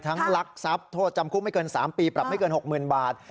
ลักทรัพย์โทษจำคุกไม่เกิน๓ปีปรับไม่เกิน๖๐๐๐บาท